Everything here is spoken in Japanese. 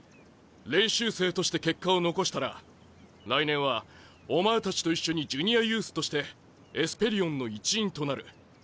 練習生として結果を残したら来年はお前たちと一緒にジュニアユースとしてエスペリオンの一員となる。